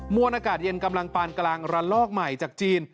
วนอากาศเย็นกำลังปานกลางระลอกใหม่จากจีน